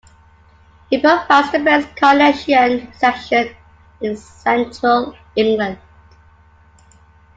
It provides the best Coniacian section in central England.